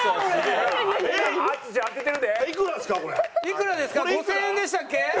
いくらですか５０００円でしたっけ？